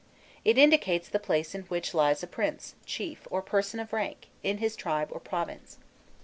It indicates the place in which lies a prince, chief, or person of rank in his tribe or province.